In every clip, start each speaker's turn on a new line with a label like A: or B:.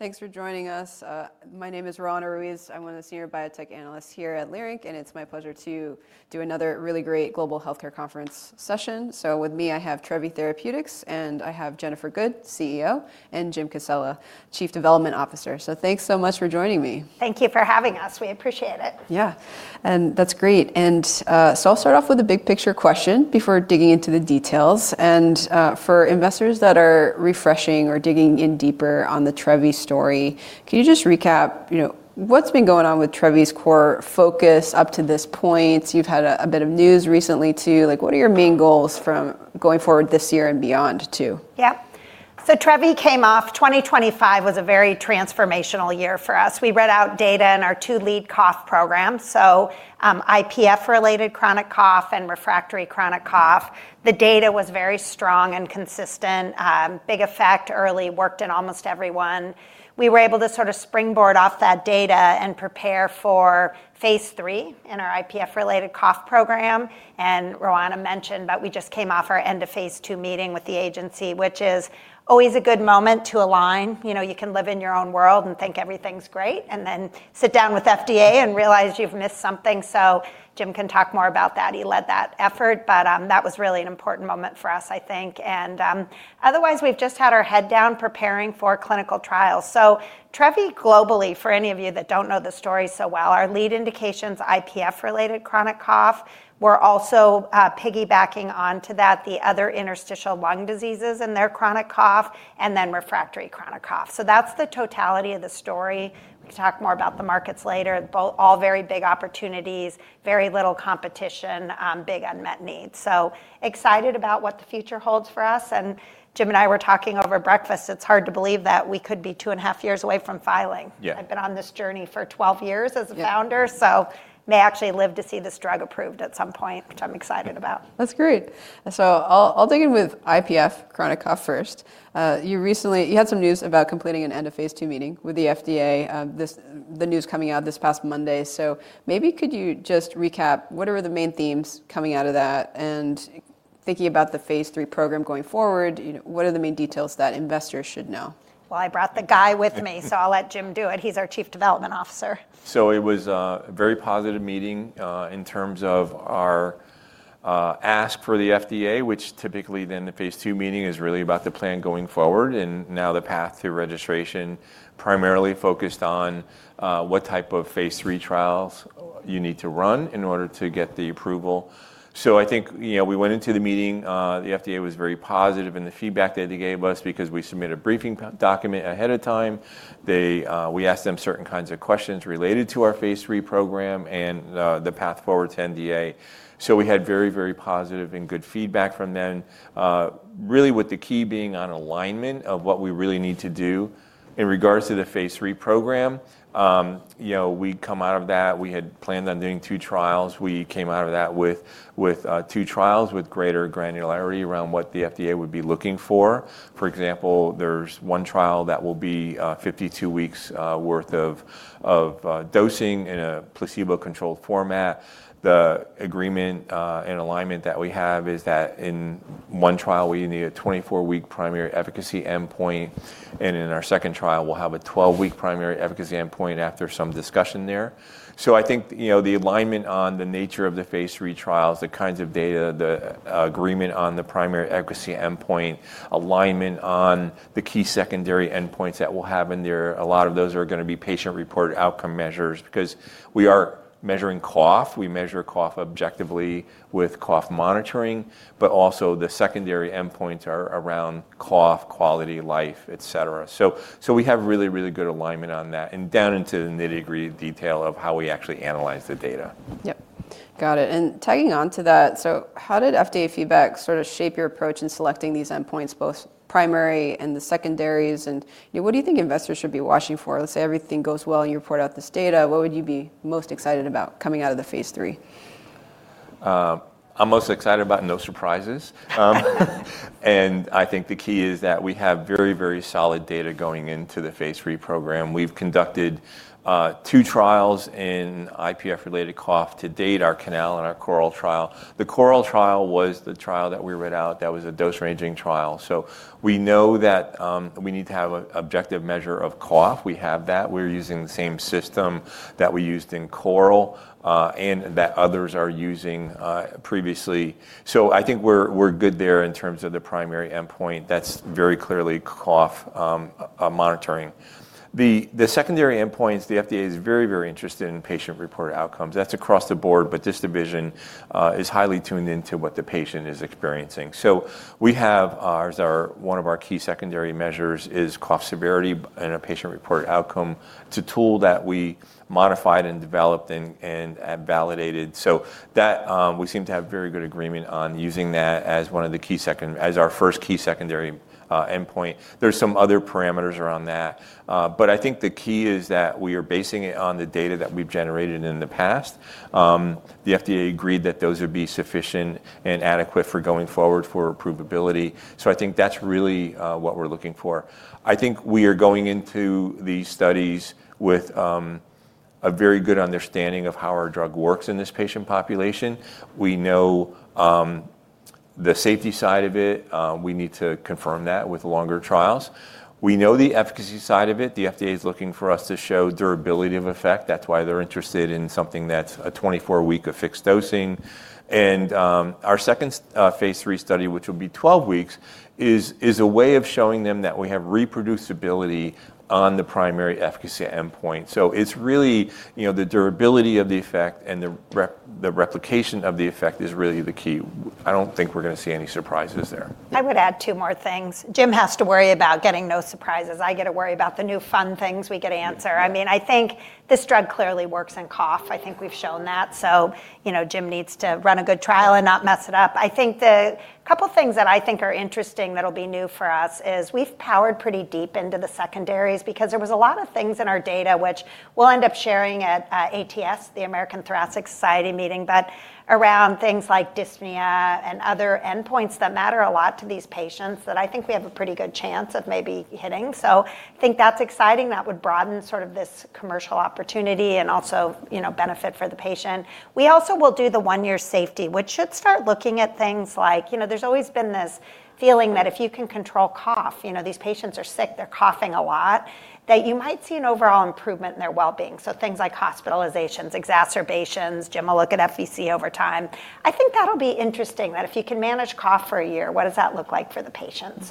A: Thanks for joining us. My name is Roanna Ruiz. I'm one of the senior biotech analysts here at Leerink, and it's my pleasure to do another really great global healthcare conference session. With me, I have Trevi Therapeutics, and I have Jennifer Good, CEO, and Jim Casella, Chief Development Officer. Thanks so much for joining me.
B: Thank you for having us. We appreciate it.
A: Yeah. That's great. So I'll start off with a big picture question before digging into the details. For investors that are refreshing or digging in deeper on the Trevi story, can you just recap, you know, what's been going on with Trevi's core focus up to this point? You've had a bit of news recently too. Like, what are your main goals from going forward this year and beyond too?
B: Yeah. 2025 was a very transformational year for us. We read out data in our two lead cough programs, so, IPF-related chronic cough and refractory chronic cough. The data was very strong and consistent, big effect early, worked in almost everyone. We were able to sort of springboard off that data and prepare for Phase III in our IPF-related cough program. Roanna mentioned that we just came off our End-of-Phase II meeting with the agency, which is always a good moment to align. You know, you can live in your own world and think everything's great, and then sit down with FDA and realize you've missed something. Jim can talk more about that. He led that effort, but, that was really an important moment for us, I think. Otherwise, we've just had our head down preparing for clinical trials. Trevi globally, for any of you that don't know the story so well, our lead indication's IPF-related chronic cough. We're also piggybacking onto that the other interstitial lung diseases and their chronic cough and then refractory chronic cough. That's the totality of the story. We can talk more about the markets later. Both all very big opportunities, very little competition, big unmet needs. Excited about what the future holds for us. Jim and I were talking over breakfast, it's hard to believe that we could be two and a half years away from filing.
C: Yeah.
B: I've been on this journey for 12 years as a founder.
C: Yeah
B: So may actually live to see this drug approved at some point, which I'm excited about.
A: That's great. I'll dig in with IPF chronic cough first. You had some news about completing an End-of-Phase II meeting with the FDA, the news coming out this past Monday. Maybe you could just recap what are the main themes coming out of that, and thinking about the Phase 3 program going forward, you know, what are the main details that investors should know?
B: Well, I brought the guy with me, so I'll let Jim do it. He's our Chief Development Officer.
C: It was a very positive meeting in terms of our ask for the FDA, which typically the Phase II meeting is really about the plan going forward and the path to registration, primarily focused on what type of Phase III trials you need to run in order to get the approval. I think, you know, we went into the meeting, the FDA was very positive in the feedback that they gave us because we submitted a briefing document ahead of time. We asked them certain kinds of questions related to our Phase III program and the path forward to NDA. We had very, very positive and good feedback from them. Really with the key being on alignment of what we really need to do in regards to the Phase three program. You know, we'd come out of that, we had planned on doing two trials. We came out of that with two trials with greater granularity around what the FDA would be looking for. For example, there's one trial that will be 52 weeks worth of dosing in a placebo-controlled format. The agreement and alignment that we have is that in one trial, we need a 24-week primary efficacy endpoint, and in our second trial, we'll have a 12-week primary efficacy endpoint after some discussion there. I think, you know, the alignment on the nature of the Phase III trials, the kinds of data, the agreement on the primary efficacy endpoint, alignment on the key secondary endpoints that we'll have in there, a lot of those are gonna be patient-reported outcome measures because we are measuring cough. We measure cough objectively with cough monitoring, but also the secondary endpoints are around cough, quality of life, et cetera. We have really good alignment on that and down into the nitty-gritty detail of how we actually analyze the data.
A: Yep. Got it. Tagging on to that, so how did FDA feedback sort of shape your approach in selecting these endpoints, both primary and the secondaries? You know, what do you think investors should be watching for? Let's say everything goes well and you report out this data, what would you be most excited about coming out of the Phase III?
C: I'm most excited about no surprises. I think the key is that we have very, very solid data going into the Phase III program. We've conducted 2 trials in IPF-related cough to date, our CANAL and our CORAL trial. The CORAL trial was the trial that we read out that was a dose-ranging trial. We know that we need to have an objective measure of cough. We have that. We're using the same system that we used in CORAL and that others are using previously. I think we're good there in terms of the primary endpoint. That's very clearly cough monitoring. The secondary endpoints, the FDA is very, very interested in patient-reported outcomes. That's across the board, but this division is highly tuned into what the patient is experiencing. We have one of our key secondary measures is cough severity in a patient-reported outcome. It's a tool that we modified and developed and validated. We seem to have very good agreement on using that as our first key secondary endpoint. There's some other parameters around that. But I think the key is that we are basing it on the data that we've generated in the past. The FDA agreed that those would be sufficient and adequate for going forward for approvability. I think that's really what we're looking for. I think we are going into these studies with a very good understanding of how our drug works in this patient population. We know the safety side of it, we need to confirm that with longer trials. We know the efficacy side of it. The FDA's looking for us to show durability of effect. That's why they're interested in something that's a 24-week of fixed dosing. Our second Phase III study, which will be 12 weeks, is a way of showing them that we have reproducibility on the primary efficacy endpoint. It's really, you know, the durability of the effect and the replication of the effect is really the key. I don't think we're gonna see any surprises there.
B: I would add two more things. Jim has to worry about getting no surprises. I get to worry about the new fun things we get to answer. I mean, I think this drug clearly works in cough. I think we've shown that. You know, Jim needs to run a good trial and not mess it up. I think the couple things that I think are interesting that'll be new for us is we've powered pretty deep into the secondaries because there was a lot of things in our data which we'll end up sharing at ATS, the American Thoracic Society meeting, but around things like dyspnea and other endpoints that matter a lot to these patients that I think we have a pretty good chance of maybe hitting. Think that's exciting. That would broaden sort of this commercial opportunity and also, you know, benefit for the patient. We also will do the one-year safety, which should start looking at things like, you know, there's always been this feeling that if you can control cough, you know, these patients are sick, they're coughing a lot, that you might see an overall improvement in their well-being. Things like hospitalizations, exacerbations. Jim will look at FVC over time. I think that'll be interesting, that if you can manage cough for a year, what does that look like for the patient?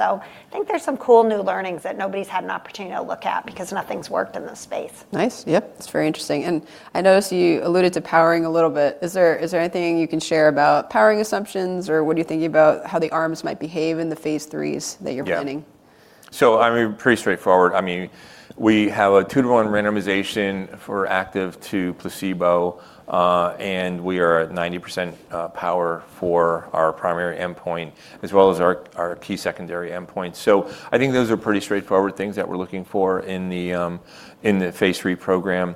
B: Think there's some cool new learnings that nobody's had an opportunity to look at because nothing's worked in this space.
A: Nice. Yep. That's very interesting. I noticed you alluded to powering a little bit. Is there anything you can share about powering assumptions, or what are you thinking about how the arms might behave in the Phase 3s that you're planning?
C: Yeah. I mean, pretty straightforward. I mean, we have a 2-to-1 randomization for active to placebo, and we are at 90% power for our primary endpoint as well as our key secondary endpoint. I think those are pretty straightforward things that we're looking for in the Phase III program.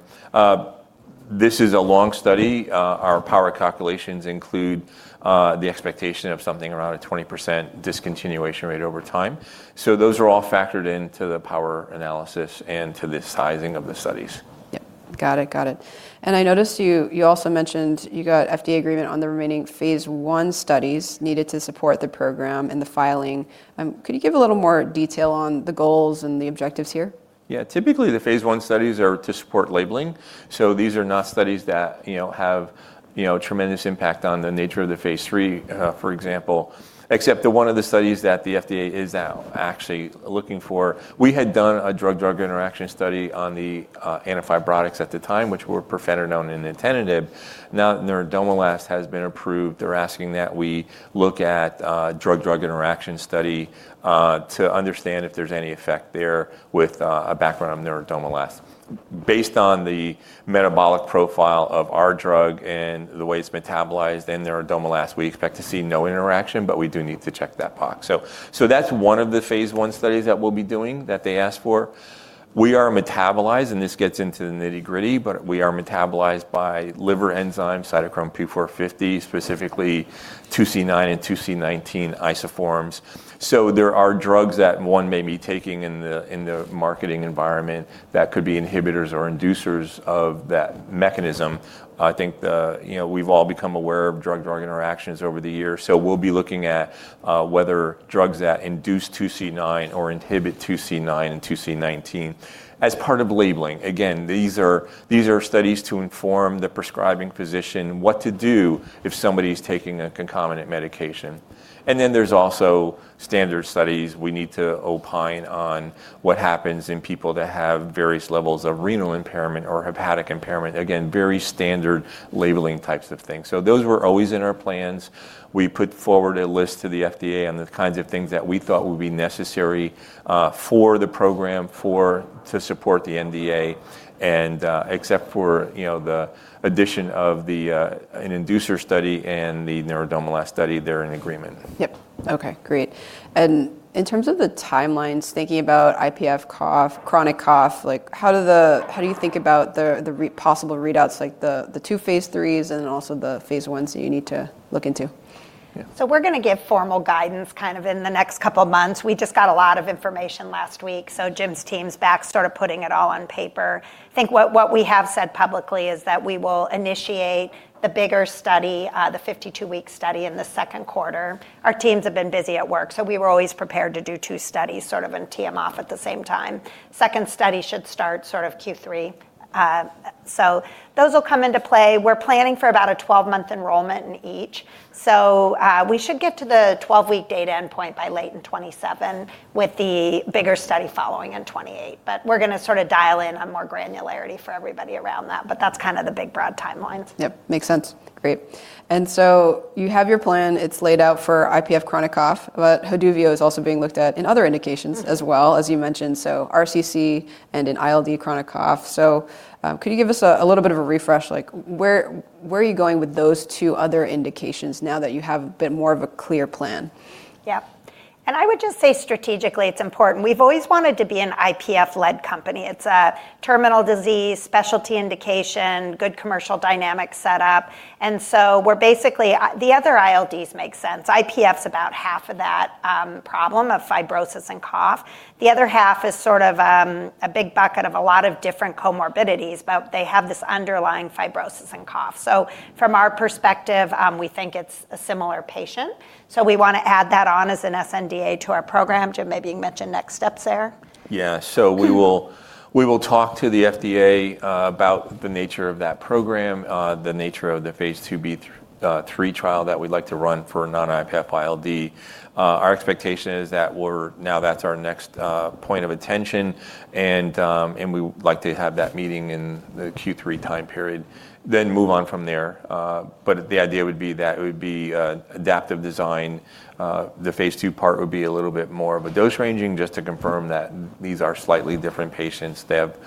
C: This is a long study. Our power calculations include the expectation of something around a 20% discontinuation rate over time. Those are all factored into the power analysis and to the sizing of the studies.
A: Yep. Got it. I noticed you also mentioned you got FDA agreement on the remaining Phase I studies needed to support the program and the filing. Could you give a little more detail on the goals and the objectives here?
C: Yeah. Typically, the Phase I studies are to support labeling, so these are not studies that, you know, have, you know, tremendous impact on the nature of the Phase III, for example, except that one of the studies that the FDA is now actually looking for. We had done a drug-drug interaction study on the antifibrotics at the time, which were pirfenidone and nintedanib. Now that nintedanib has been approved, they're asking that we look at a drug-drug interaction study to understand if there's any effect there with a background of nintedanib. Based on the metabolic profile of our drug and the way it's metabolized in nintedanib, we expect to see no interaction, but we do need to check that box. That's one of the Phase I studies that we'll be doing that they asked for. We are metabolized, and this gets into the nitty-gritty, but we are metabolized by liver enzyme cytochrome P450, specifically 2C9 and 2C19 isoforms. There are drugs that one may be taking in the marketing environment that could be inhibitors or inducers of that mechanism. I think, you know, we've all become aware of drug-drug interactions over the years, so we'll be looking at whether drugs that induce 2C9 or inhibit 2C9 and 2C19 as part of labeling. Again, these are studies to inform the prescribing physician what to do if somebody's taking a concomitant medication. Then there's also standard studies we need to opine on what happens in people that have various levels of renal impairment or hepatic impairment. Again, very standard labeling types of things. Those were always in our plans. We put forward a list to the FDA on the kinds of things that we thought would be necessary for the program to support the NDA. Except for, you know, the addition of an inducer study and the nintedanib study, they're in agreement.
A: Yep. Okay. Great. In terms of the timelines, thinking about IPF cough, chronic cough, like how do you think about the possible readouts like the two Phase III and also the Phase I that you need to look into?
B: We're gonna give formal guidance kind of in the next couple months. We just got a lot of information last week, so Jim's team's back sort of putting it all on paper. I think what we have said publicly is that we will initiate the bigger study, the 52-week study in the second quarter. Our teams have been busy at work, so we were always prepared to do two studies sort of and tee them up at the same time. Second study should start sort of Q3. Those will come into play. We're planning for about a 12-month enrollment in each. We should get to the 12-week data endpoint by late in 2027 with the bigger study following in 2028. We're gonna sort of dial in on more granularity for everybody around that, but that's kind of the big broad timelines.
A: Yep. Makes sense. Great. You have your plan. It's laid out for IPF chronic cough, but Haduvio is also being looked at in other indications as well, as you mentioned, so RCC and in ILD chronic cough. Could you give us a little bit of a refresh, like where are you going with those two other indications now that you have a bit more of a clear plan?
B: Yep. I would just say strategically it's important. We've always wanted to be an IPF-led company. It's a terminal disease, specialty indication, good commercial dynamic set up. The other ILDs make sense. IPF's about half of that problem of fibrosis and cough. The other half is sort of a big bucket of a lot of different comorbidities, but they have this underlying fibrosis and cough. From our perspective, we think it's a similar patient, so we wanna add that on as an sNDA to our program. Jim, maybe you can mention next steps there.
C: We will talk to the FDA about the nature of that program, the nature of the Phase 2b/3 trial that we'd like to run for non-IPF ILD. Our expectation is that that's our next point of attention and we would like to have that meeting in the Q3 time period, then move on from there. The idea would be that it would be adaptive design. The Phase II part would be a little bit more of a dose ranging just to confirm that these are slightly different patients. They have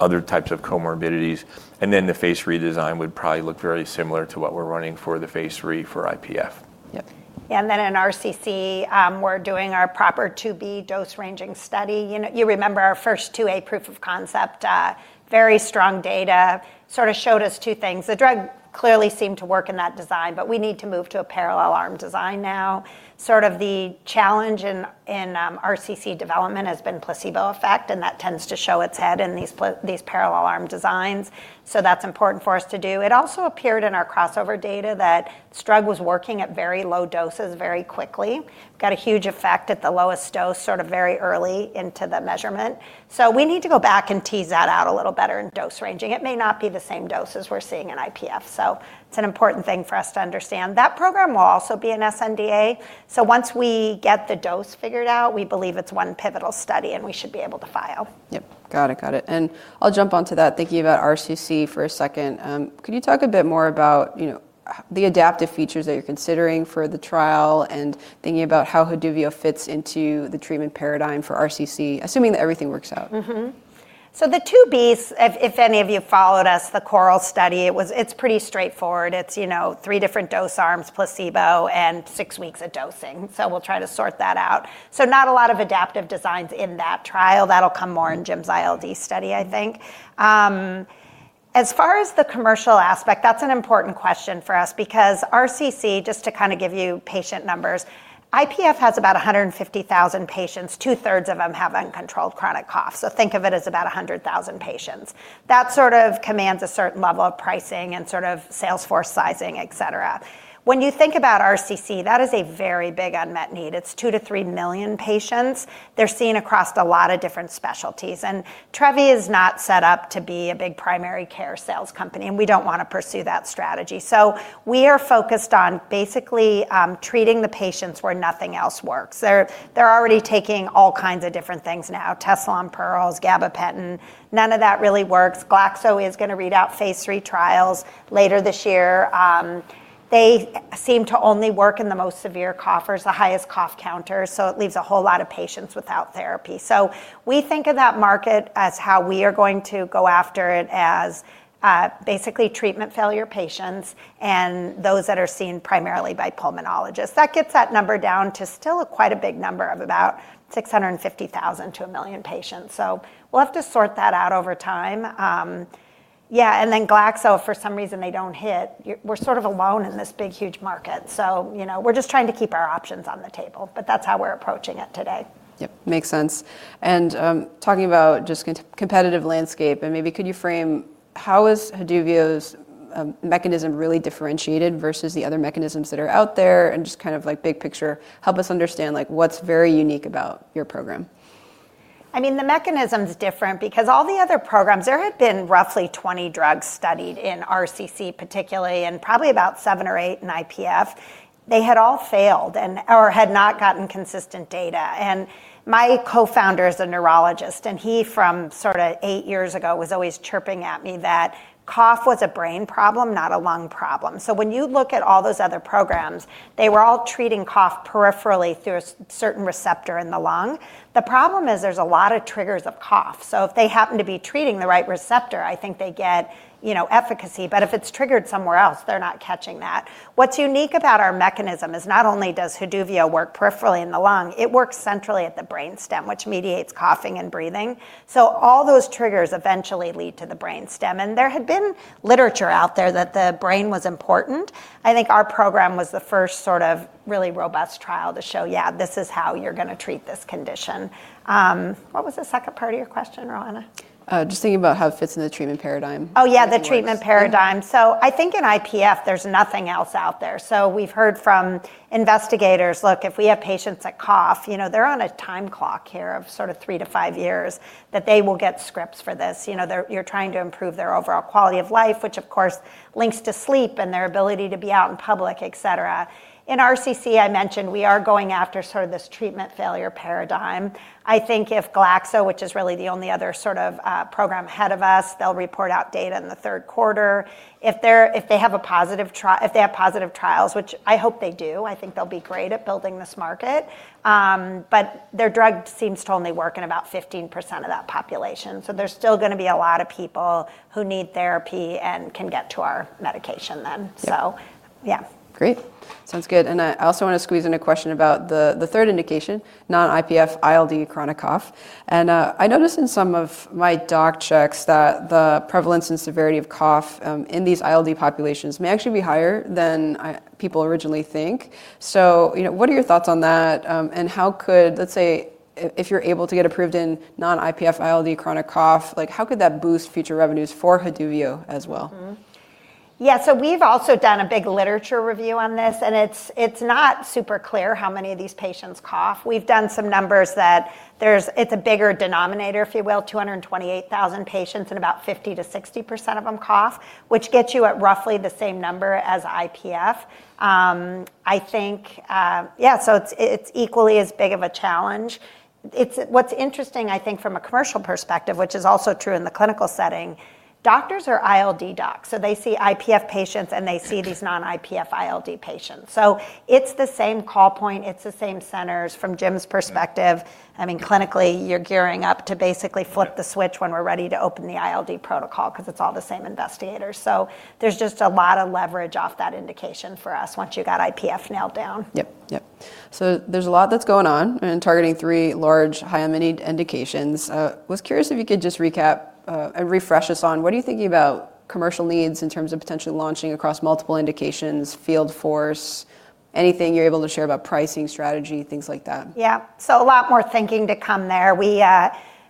C: other types of comorbidities, and then the Phase III design would probably look very similar to what we're running for the Phase III for IPF.
B: Yep. In RCC, we're doing our proper 2B dose-ranging study. You know, you remember our first 2A proof of concept, very strong data, sort of showed us two things. The drug clearly seemed to work in that design, but we need to move to a parallel arm design now. Sort of the challenge in RCC development has been placebo effect, and that tends to show its head in these parallel arm designs. That's important for us to do. It also appeared in our crossover data that this drug was working at very low doses very quickly, got a huge effect at the lowest dose, sort of very early into the measurement. We need to go back and tease that out a little better in dose ranging. It may not be the same doses we're seeing in IPF, so it's an important thing for us to understand. That program will also be an sNDA, so once we get the dose figured out, we believe it's one pivotal study, and we should be able to file.
A: Yep. Got it. I'll jump onto that thinking about RCC for a second. Could you talk a bit more about, you know, the adaptive features that you're considering for the trial and thinking about how Haduvio fits into the treatment paradigm for RCC, assuming that everything works out?
B: Mm-hmm. The two Bs, if any of you followed us, the CORAL study, it's pretty straightforward. It's, you know, three different dose arms, placebo, and six weeks of dosing. We'll try to sort that out. Not a lot of adaptive designs in that trial. That'll come more in Jim's ILD study, I think. As far as the commercial aspect, that's an important question for us because RCC, just to kinda give you patient numbers, IPF has about 150,000 patients. Two-thirds of them have uncontrolled chronic cough. Think of it as about 100,000 patients. That sort of commands a certain level of pricing and sort of sales force sizing, et cetera. When you think about RCC, that is a very big unmet need. It's 2-3 million patients. They're seen across a lot of different specialties, and Trevi is not set up to be a big primary care sales company, and we don't wanna pursue that strategy. We are focused on basically treating the patients where nothing else works. They're already taking all kinds of different things now, Tessalon Perles, gabapentin. None of that really works. GlaxoSmithKline is gonna read out Phase III trials later this year. They seem to only work in the most severe coughers, the highest cough counters, so it leaves a whole lot of patients without therapy. We think of that market as how we are going to go after it as basically treatment failure patients and those that are seen primarily by pulmonologists. That gets that number down to still a quite big number of about 650,000-1 million patients. We'll have to sort that out over time. Yeah, GlaxoSmithKline, for some reason, they don't hit. We're sort of alone in this big, huge market, so, you know, we're just trying to keep our options on the table, but that's how we're approaching it today.
A: Yep, makes sense. Talking about just competitive landscape, and maybe could you frame how is Haduvio's mechanism really differentiated versus the other mechanisms that are out there? Just kind of, like, big picture, help us understand, like, what's very unique about your program.
B: I mean, the mechanism's different because all the other programs, there have been roughly 20 drugs studied in RCC particularly and probably about 7 or 8 in IPF. They had all failed or had not gotten consistent data. My co-founder is a neurologist, and he, from sorta 8 years ago, was always chirping at me that cough was a brain problem, not a lung problem. When you look at all those other programs, they were all treating cough peripherally through a certain receptor in the lung. The problem is there's a lot of triggers of cough, so if they happen to be treating the right receptor, I think they get, you know, efficacy. If it's triggered somewhere else, they're not catching that. What's unique about our mechanism is not only does Haduvio work peripherally in the lung, it works centrally at the brain stem, which mediates coughing and breathing. All those triggers eventually lead to the brain stem, and there had been literature out there that the brain was important. I think our program was the first sort of really robust trial to show, yeah, this is how you're gonna treat this condition. What was the second part of your question, Roanna?
A: Just thinking about how it fits into the treatment paradigm, how it works.
B: Oh, yeah, the treatment paradigm. I think in IPF, there's nothing else out there. We've heard from investigators, look, if we have patients that cough, you know, they're on a time clock here of sort of 3-5 years that they will get scripts for this. You know, you're trying to improve their overall quality of life, which of course links to sleep and their ability to be out in public, et cetera. In RCC, I mentioned we are going after sort of this treatment failure paradigm. I think if GlaxoSmithKline, which is really the only other sort of program ahead of us, they'll report out data in the third quarter. If they have positive trials, which I hope they do, I think they'll be great at building this market. Their drug seems to only work in about 15% of that population, so there's still gonna be a lot of people who need therapy and can get to our medication then.
A: Yeah.
B: Yeah.
A: Great. Sounds good. I also wanna squeeze in a question about the third indication, non-IPF ILD chronic cough. I noticed in some of my doc checks that the prevalence and severity of cough in these ILD populations may actually be higher than people originally think. You know, what are your thoughts on that? How could, let's say, if you're able to get approved in non-IPF ILD chronic cough, like, how could that boost future revenues for Haduvio as well?
B: We've also done a big literature review on this, and it's not super clear how many of these patients cough. We've done some numbers that it's a bigger denominator, if you will. 228,000 patients and about 50%-60% of them cough, which gets you at roughly the same number as IPF. I think it's equally as big of a challenge. What's interesting, I think, from a commercial perspective, which is also true in the clinical setting, doctors are ILD docs, so they see IPF patients, and they see these non-IPF ILD patients. It's the same call point, it's the same centers from Jim's perspective. I mean, clinically, you're gearing up to basically flip the switch when we're ready to open the ILD protocol, 'cause it's all the same investigators. There's just a lot of leverage off that indication for us once you got IPF nailed down.
A: Yep. There's a lot that's going on in targeting three large high-unmet indications. Was curious if you could just recap and refresh us on what are you thinking about commercial needs in terms of potentially launching across multiple indications, field force, anything you're able to share about pricing strategy, things like that?
B: Yeah. A lot more thinking to come there.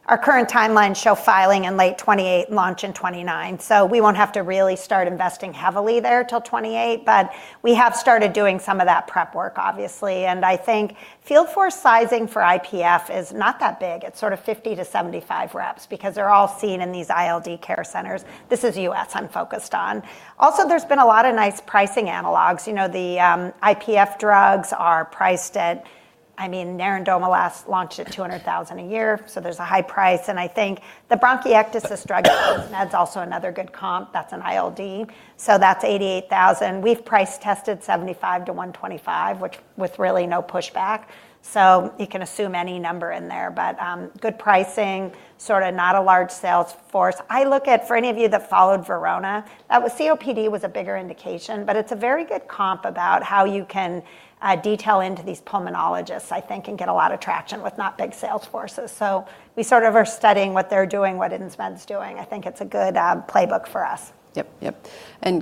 B: Our current timelines show filing in late 2028, launch in 2029, so we won't have to really start investing heavily there till 2028. We have started doing some of that prep work, obviously, and I think field force sizing for IPF is not that big. It's sort of 50-75 reps because they're all seen in these ILD care centers. This is US I'm focused on. Also, there's been a lot of nice pricing analogs. You know, the IPF drugs are priced at, I mean, nintedanib last launched at $200,000 a year, so there's a high price. I think the bronchiectasis drug that's also another good comp. That's an ILD. So that's $88,000. We've price-tested $75,000-$125,000, which with really no pushback, so you can assume any number in there. Good pricing, sort of not a large sales force. I look at, for any of you that followed Verona, COPD was a bigger indication, but it's a very good comp about how you can detail into these pulmonologists, I think, and get a lot of traction with not big sales forces. We sort of are studying what they're doing, what Insmed's doing. I think it's a good playbook for us.
A: Yep.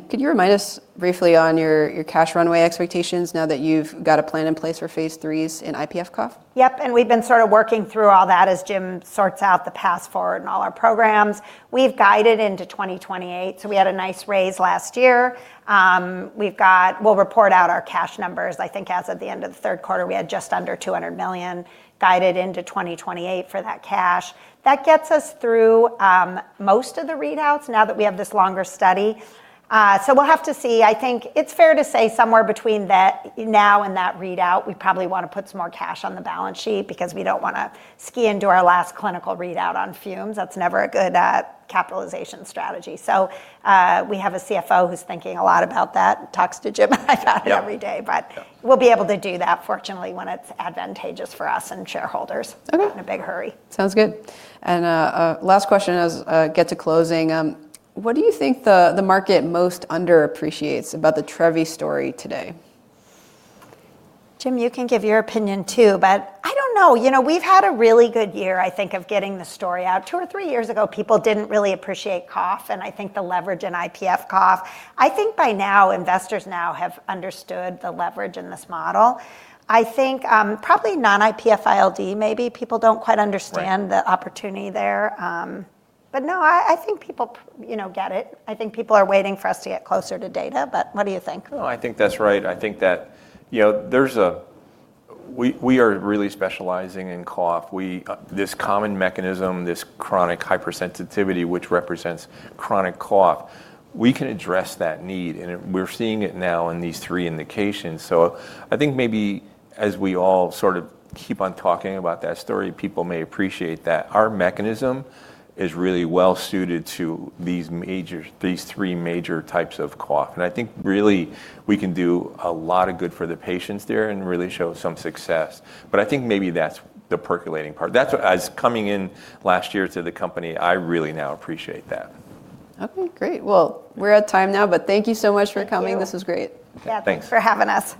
A: Could you remind us briefly on your cash runway expectations now that you've got a plan in place for Phase 3s in IPF cough?
B: Yep. We've been sort of working through all that as Jim sorts out the path forward in all our programs. We've guided into 2028, so we had a nice raise last year. We'll report out our cash numbers. I think as of the end of the third quarter, we had just under $200 million guided into 2028 for that cash. That gets us through most of the readouts now that we have this longer study. We'll have to see. I think it's fair to say somewhere between that now and that readout, we probably wanna put some more cash on the balance sheet because we don't wanna squeak into our last clinical readout on fumes. That's never a good capitalization strategy. We have a CFO who's thinking a lot about that, talks to Jim about it every day.
C: Yeah.
B: We'll be able to do that, fortunately, when it's advantageous for us and shareholders.
A: Okay
B: Not in a big hurry.
A: Sounds good. Last question as I get to closing. What do you think the market most underappreciates about the Trevi story today?
B: Jim, you can give your opinion too, but I don't know. You know, we've had a really good year, I think, of getting the story out. Two or three years ago, people didn't really appreciate cough, and I think the leverage in IPF cough. I think by now, investors now have understood the leverage in this model. I think, probably non-IPF ILD maybe people don't quite understand.
C: Right
B: the opportunity there. No, I think people, you know, get it. I think people are waiting for us to get closer to data, but what do you think?
C: No, I think that's right. I think that, you know, we are really specializing in cough. This common mechanism, this chronic hypersensitivity, which represents chronic cough, we can address that need, and we're seeing it now in these three indications. I think maybe as we all sort of keep on talking about that story, people may appreciate that our mechanism is really well suited to these major, these three major types of cough. I think really we can do a lot of good for the patients there and really show some success. I think maybe that's the percolating part. As coming in last year to the company, I really now appreciate that.
A: Okay, great. Well, we're at time now, but thank you so much for coming.
B: Thank you.
A: This was great.
C: Okay. Thanks.
B: Yeah. Thanks for having us.